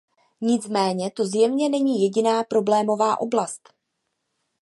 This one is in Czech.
Nicméně to zjevně není jediná problémová oblast.